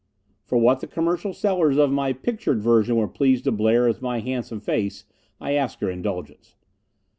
For what the commercial sellers of my pictured version were pleased to blare as my handsome face, I ask your indulgence.